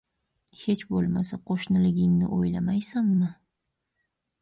Hech bo‘lmasa qo‘shniligingni o‘ylamaysanmi!